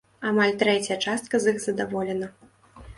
Амаль трэцяя частка з іх задаволена.